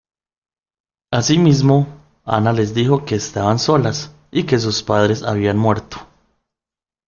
Asimismo, Ana les dijo que estaban solas, y que sus padres habían muerto.